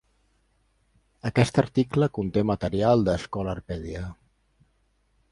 Aquest article conté material de Scholarpedia.